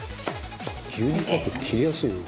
「牛乳パック切りやすいな」